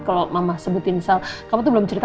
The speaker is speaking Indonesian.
kalau mama sebutin misal kamu tuh belum cerita